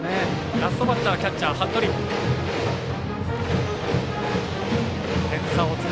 ラストバッターキャッチャー、服部。